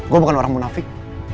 gue bukan orang munafik